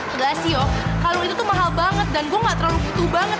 belas yuk kalung itu tuh mahal banget dan gue nggak terlalu butuh banget